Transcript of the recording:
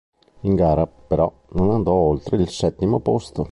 In gara, però, non andò oltre il settimo posto.